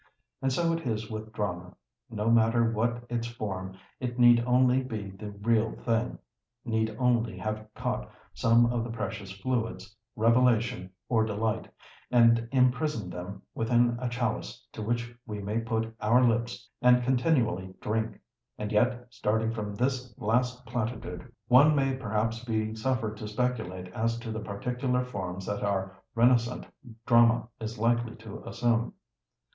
And so it is with drama—no matter what its form it need only be the "real thing," need only have caught some of the precious fluids, revelation, or delight, and imprisoned them within a chalice to which we may put our lips and continually drink. And yet, starting from this last platitude, one may perhaps be suffered to speculate as to the particular forms that our renascent drama is likely to assume.